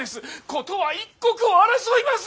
事は一刻を争います！